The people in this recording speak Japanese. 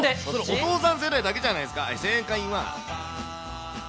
それ、お父さん世代だけじゃないですか。